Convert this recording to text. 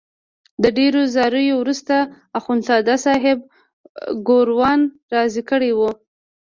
له ډېرو زاریو وروسته اخندزاده صاحب ګوروان راضي کړی وو.